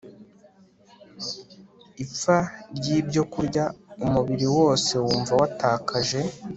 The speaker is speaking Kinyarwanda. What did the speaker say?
ipfa ryibyokurya Umubiri wose wumva watakaje